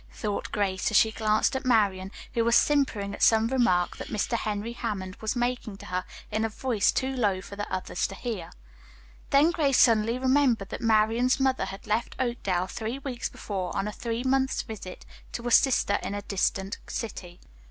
thought Grace as she glanced at Marian, who was simpering at some remark that Mr. Henry Hammond was making to her in a voice too low for the others to hear. Then Grace suddenly remembered that Marian's mother had left Oakdale three weeks before on a three months' visit to a sister in a distant city.